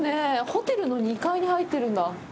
ホテルの２階に入ってるんだ。